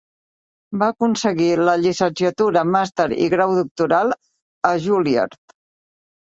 Va aconseguir la llicenciatura, màster i grau doctoral a Juilliard.